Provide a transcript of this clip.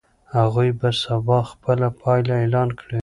هغوی به سبا خپله پایله اعلان کړي.